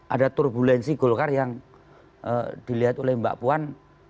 ada turbulensi golkar yang dilihat oleh mbak puan